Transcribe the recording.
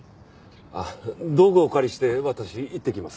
あっ道具をお借りして私行ってきます。